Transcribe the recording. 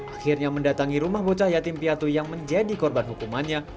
akhirnya mendatangi rumah bocah yatim piatu yang menjadi korban hukumannya